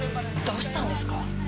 どうしたんですか？